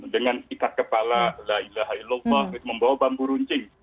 dengan ikat kepala la ilaha illallah membawa bambu runcing